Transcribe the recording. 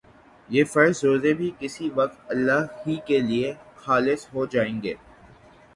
یہ فرض روزے بھی کسی وقت اللہ ہی کے لیے خالص ہو جائیں گے